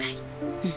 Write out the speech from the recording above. うん。